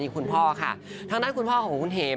คุณพ่อค่ะทางด้านคุณพ่อของคุณเห็ม